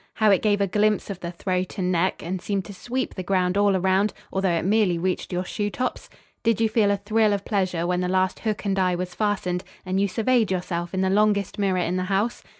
How it gave a glimpse of the throat and neck, and seemed to sweep the ground all around, although it merely reached your shoe tops? Did you feel a thrill of pleasure when the last hook and eye was fastened and you surveyed yourself in the longest mirror in the house?